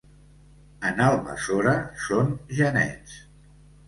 En Almassora són genets.